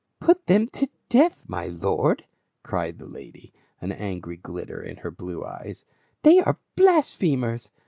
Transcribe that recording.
"Put them to death, my lord !" cried the lady, an angry glitter in her blue eyes, " they are blasphemers